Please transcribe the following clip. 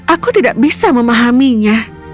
aku tidak bisa memahaminya